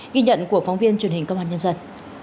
ghi nhận của phóng viên truyền hình công an nhân dân